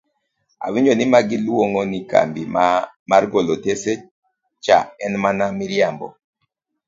Awinjo ni magi luong'o ni kambi mar golo otese cha en mana miriambo!